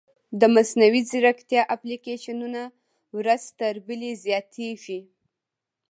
د مصنوعي ځیرکتیا اپلیکیشنونه ورځ تر بلې زیاتېږي.